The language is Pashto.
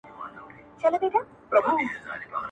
ما خو دانه ـ دانه سيندل ستا پر غزل گلونه